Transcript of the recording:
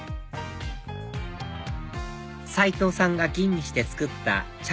齊藤さんが吟味して作った茶